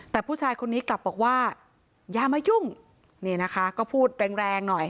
แต่ผู้ชายคนนี้กลับบอกว่าอย่ามายุ่งนี่นะคะก็พูดแรงแรงหน่อย